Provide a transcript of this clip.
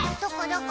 どこ？